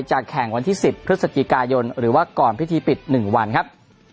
แข่งวันที่๑๐พฤศจิกายนหรือว่าก่อนพิธีปิด๑วันครับ